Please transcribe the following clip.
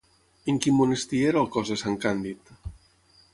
En quin monestir era el cos de sant Càndid?